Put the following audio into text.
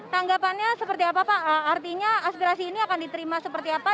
tanggapannya seperti apa pak artinya aspirasi ini akan diterima seperti apa